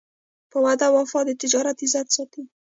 په وعده وفا د تجارت عزت ساتي.